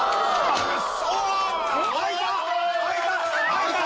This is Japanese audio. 「開いた。